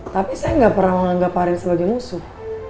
tapi saya gak pernah menganggap arin sebagai musuh